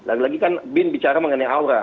lagi lagi kan bin bicara mengenai aura